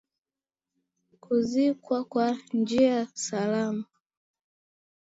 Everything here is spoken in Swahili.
kuzikwa kwa njia salama